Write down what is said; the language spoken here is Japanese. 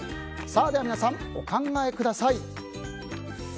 では皆さん、お考えください。